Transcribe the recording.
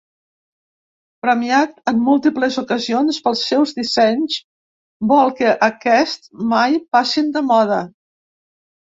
Premiat en múltiples ocasions pels seus dissenys, vol que aquests mai passin de moda.